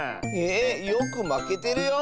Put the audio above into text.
えよくまけてるよ。